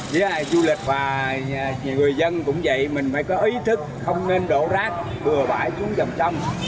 với du lịch và người dân cũng vậy mình phải có ý thức không nên đổ rác bừa bãi xuống dòng sông